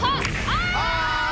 あ！